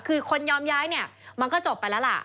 คือคนยอมย้ายเนี่ยมันก็จบไปแล้วล่ะ